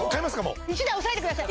１台押さえてください